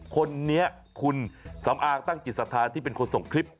คนนี้คุณสำอางตั้งจิตศรัทธาที่เป็นคนส่งคลิป